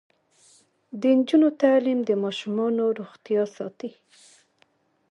د نجونو تعلیم د ماشومانو روغتیا ساتي.